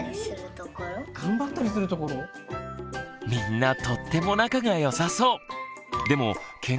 みんなとっても仲がよさそう！